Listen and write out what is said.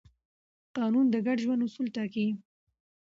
قانون د ګډ ژوند اصول ټاکي.